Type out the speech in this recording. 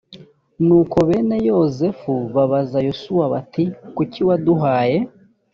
nuko bene yozefu babaza yosuwa bati kuki waduhaye